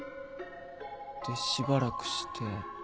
でしばらくして。